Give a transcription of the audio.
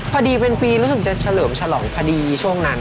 พอดีเป็นปีรู้สึกจะเฉลิมฉลองพอดีช่วงนั้น